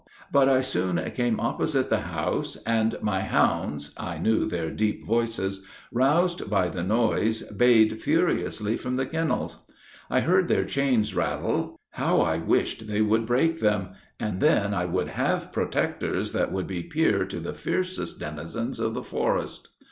"But I soon came opposite the house, and, my hounds, I knew their deep voices, roused by the noise, bayed furiously from the kennels. I heard their chains rattle; how I wished they would break them! and then I would have protectors that would be peer to the fiercest denizens of the forest.